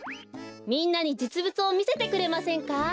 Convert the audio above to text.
みんなにじつぶつをみせてくれませんか？